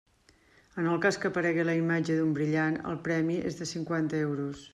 En el cas que aparegui la imatge d'un brillant, el premi és de cinquanta euros.